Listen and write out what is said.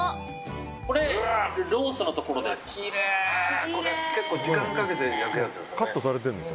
これはロースのところです。